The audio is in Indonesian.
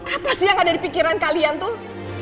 apa sih yang ada di pikiran kalian tuh